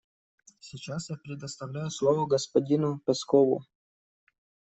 Сейчас я предоставляю слово господину Пэскоу.